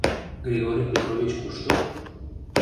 Григорий Петрович кушто?